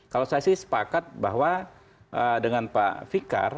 kalau saya sih sepakat bahwa dengan pak fikar